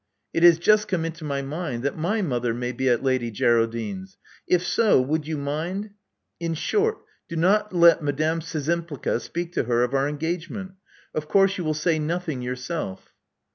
It has just come into my mind that my mother may be at Lady Geraldine's. If so, would you mind In short, do not let Madame Szczjmapliga speak to her of our engagement. Of course you will say nothing yourself."